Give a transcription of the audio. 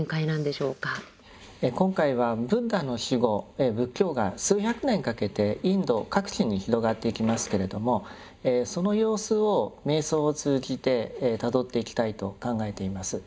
今回はブッダの死後仏教が数百年かけてインド各地に広がっていきますけれどもその様子を瞑想を通じてたどっていきたいと考えています。